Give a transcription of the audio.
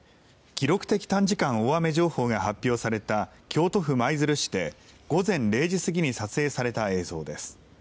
記録的短時間大雨情報が発表された京都府舞鶴市で午前０時過ぎに撮影された映像です。